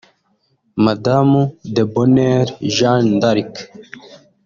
Madamu Debonheur Jeanne d’Arc